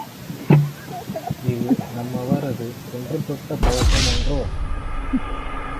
இது நம்மவரது தொன்றுதொட்ட பழக்கம் அன்றோ?